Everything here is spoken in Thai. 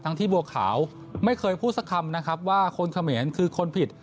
ที่บัวขาวไม่เคยพูดสักคำนะครับว่าคนเขมรคือคนผิด